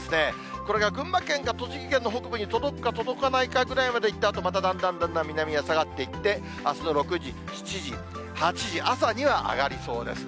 これが群馬県か栃木県の北部に届くか届かないかぐらいまで行ったあと、まただんだんだんだん南へ下がっていって、あすの６時、７時、８時、朝には上がりそうですね。